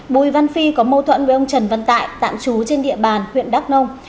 bùi văn phi có mâu thuẫn với ông trần văn tại tạm trú trên địa bàn huyện đắk nông